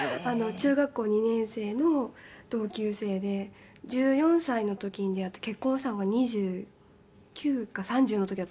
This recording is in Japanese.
「中学校２年生の同級生で１４歳の時に出会って結婚したのが２９か３０の時だったんですよね」